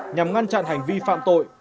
nhằm ngăn chặn hành vi phạm tội